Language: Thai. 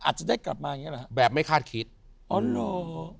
อาจจะได้กลับมาอย่างนี้หรอครับ